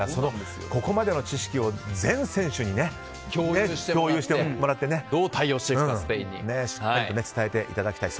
ここまでの知識を全選手に共有してもらってしっかりと伝えていただきたい